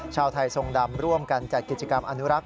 ชาวไทยทรงดำร่วมกันจัดกิจกรรมอนุรักษ